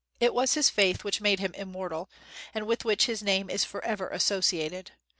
It was his faith which made him immortal, and with which his name is forever associated.